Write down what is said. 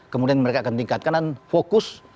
kemudian mereka akan tingkatkan dan fokus